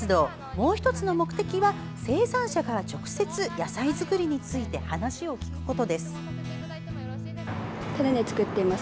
もう１つの目的は生産者から直接野菜作りについて話を聞くこと。